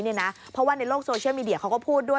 เพราะว่าในโลกโซเชียลมีเดียเขาก็พูดด้วย